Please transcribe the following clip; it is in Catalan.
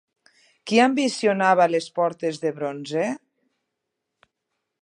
Qui ambicionava les portes de bronze?